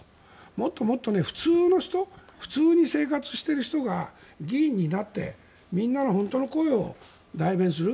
もっともっと普通の人普通に生活してる人が議員になってみんなの本当の声を代弁する。